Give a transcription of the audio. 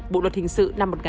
bộ luật hình sự